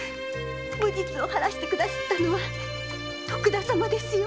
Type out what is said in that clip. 無実を晴らして下さったのは徳田様ですよ。